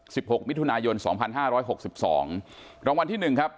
หกมิถุนายนสองพันห้าร้อยหกสิบสองรางวัลที่หนึ่งครับ